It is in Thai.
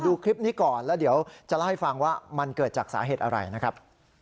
ดูคลิปนี้ก่อนแล้วเดี๋ยวจะเล่าให้ฟังว่ามันเกิดจากสาเหตุอะไรนะครับ